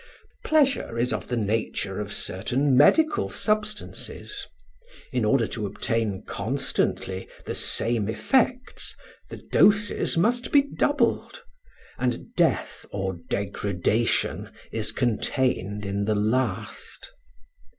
Pleasure is of the nature of certain medical substances: in order to obtain constantly the same effects the doses must be doubled, and death or degradation is contained in the last.